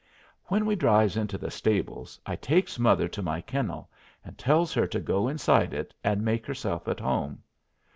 When we drives into the stables I takes mother to my kennel, and tells her to go inside it and make herself at home.